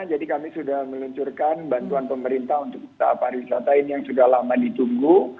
jadi kami sudah meluncurkan bantuan pemerintah untuk para wisata ini yang sudah lama ditunggu